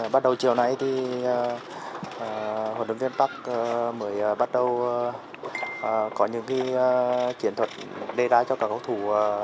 bắt đầu chiều nay thì huấn luyện viên park mới bắt đầu có những chiến thuật đề ra cho các cầu thủ